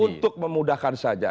untuk memudahkan saja